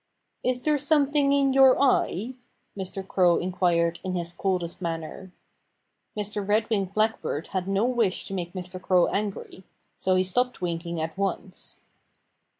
"Is there something in your eye?" Mr. Crow inquired in his coldest manner. Mr. Red winged Blackbird had no wish to make Mr. Crow angry. So he stopped winking at once.